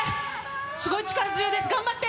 すごい力強いです、頑張って。